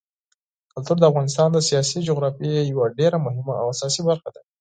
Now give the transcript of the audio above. کلتور د افغانستان د سیاسي جغرافیې یوه ډېره مهمه او اساسي برخه ده.